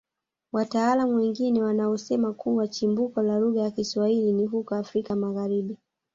Wataalamu wengine wanaosema kuwa chimbuko la lugha ya Kiswahili ni huko Afrika ya Magharibi